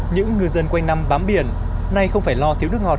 những ngư dân quanh năm bám biển nay không phải lo thiếu nước ngọt